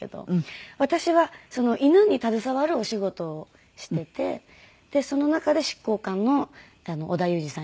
私は犬に携わるお仕事をしていてその中で執行官の織田裕二さん